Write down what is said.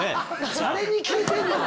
誰に聞いてんねん！